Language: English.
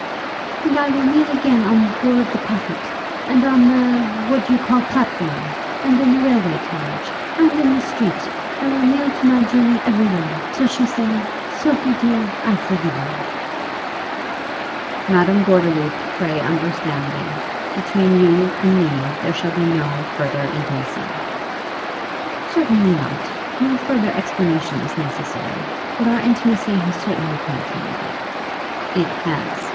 "And I will kneel again on board the packet; and on the what you call, platform, and in the railway carriage, and in the street. I will kneel to my Julie everywhere, till she say, 'Sophie, dear, I forgive you!'" "Madame Gordeloup, pray understand me; between you and me there shall be no further intimacy." "No!" "Certainly not. No further explanation is necessary, but our intimacy has certainly come to an end." "It has."